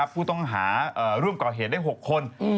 ผู้ต้องหาร่วมก่อเหตุได้๖คน